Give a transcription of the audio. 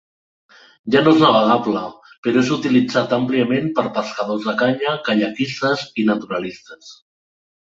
Ja no és navegable, però és utilitzat àmpliament per pescadors de canya, caiaquistes i naturalistes.